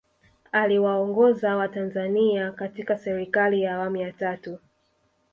Aliwaongoza watanzania katika Serikali ya Awamu ya tatu